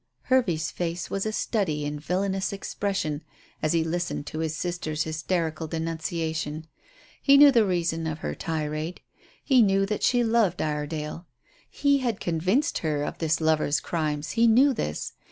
Hervey's face was a study in villainous expression as he listened to his sister's hysterical denunciation. He knew the reason of her tirade. He knew that she loved Iredale. He had convinced her of this lover's crimes; he knew this.